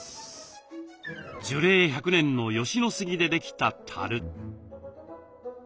樹齢１００年の吉野杉でできたたる。